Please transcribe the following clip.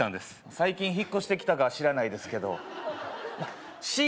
最近引っ越してきたかは知らないですけどまあ